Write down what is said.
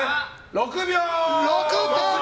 ６秒。